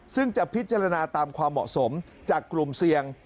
ซึ่งจะพิจารณาตามความเหมาะสมจากกลุ่มเสี่ยง